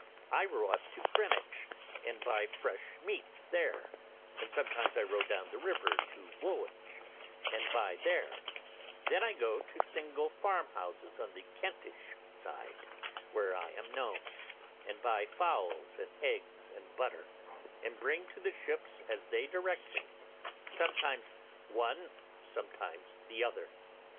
I row up to Greenwich and buy fresh meat there, and sometimes I row down the river to Woolwich and buy there; then I go to single farm houses on the Kentish side, where I am known, and buy fowls and eggs and butter, and bring to the ships, as they direct me, sometimes one, sometimes the other.